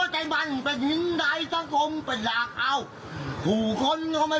เดี๋ยวรู้ค่ะ